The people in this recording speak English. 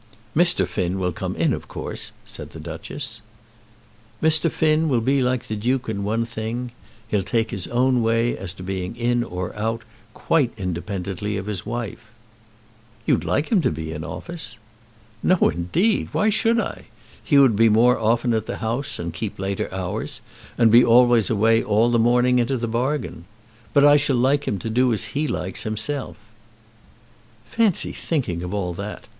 "Mr. Finn will come in, of course," said the Duchess. "Mr. Finn will be like the Duke in one thing. He'll take his own way as to being in or out quite independently of his wife." "You'd like him to be in office?" "No, indeed! Why should I? He would be more often at the House, and keep later hours, and be always away all the morning into the bargain. But I shall like him to do as he likes himself." "Fancy thinking of all that.